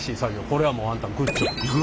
これはもうあんたグッジョブ！